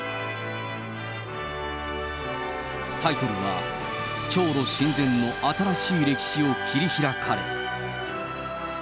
タイトルは、朝ロ親善の新しい歴史を切り開かれ。